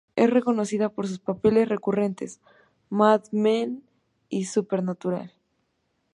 Es conocida por sus papeles recurrentes "Mad Men" y "Supernatural".